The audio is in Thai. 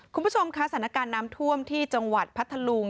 คุณผู้ชมค่ะสถานการณ์น้ำท่วมที่จังหวัดพัทธลุง